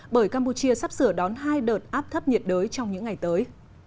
bởi campuchia sắp sửa đón hai đợt áp thấp nhiệt đới trong những ngày tới